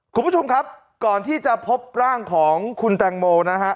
คุณผู้ชมครับก่อนที่จะพบร่างของคุณแตงโมนะฮะ